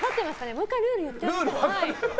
もう１回ルール言って。